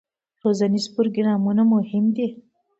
روزنیز پروګرامونه مهم دي